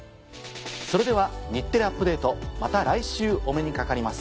それでは『日テレアップＤａｔｅ！』また来週お目にかかります。